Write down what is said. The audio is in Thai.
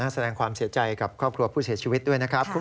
แสดงความเสียใจกับครอบครัวผู้เสียชีวิตด้วยนะครับ